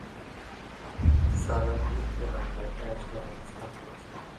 সারের হিথ এলাকায় অ্যাশ দল অবস্থান করছে।